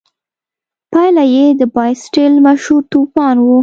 پایله یې د باسټیل مشهور توپان و.